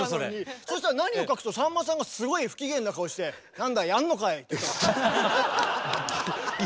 そしたら何を隠そうさんまさんがすごい不機嫌な顔して「何だ？やんのかい」って言ったんですよ。